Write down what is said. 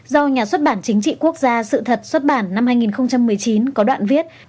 do nhà xuất bản chính trị quốc gia sự thật xuất bản năm hai nghìn một mươi chín có đoạn viết